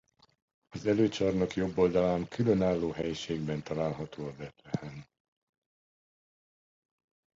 Az előcsarnok jobb oldalán különálló helységben található a Betlehem.